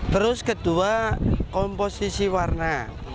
terus kedua komposisi warna